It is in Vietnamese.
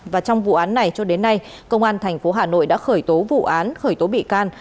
và trong vụ án này cho đến nay công an tp hà nội đã khởi tố vụ án khởi tố bị can